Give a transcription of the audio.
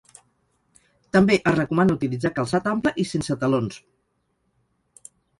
També es recomana utilitzar calçat ample i sense talons.